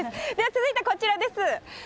続いてこちらです。